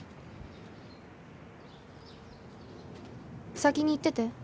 ・先に行ってて。